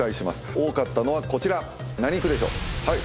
多かったのはこちら何区でしょう。